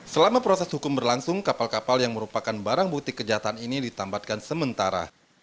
selama proses hukum berlangsung kapal kapal yang merupakan barang bukti kejahatan ini ditambatkan sementara